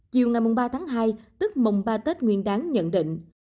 chiều ngày ba tháng hai tức mùng ba tết nguyên đáng nhận định